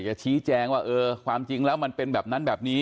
จะชี้แจงว่าเออความจริงแล้วมันเป็นแบบนั้นแบบนี้